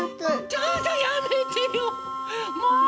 ちょっとやめてよもう！